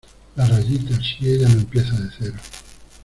la rayita. si ella no empieza de cero